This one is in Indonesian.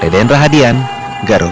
dendra hadian garut